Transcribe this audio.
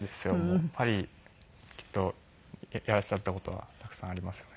パリきっといらっしゃった事はたくさんありますよね？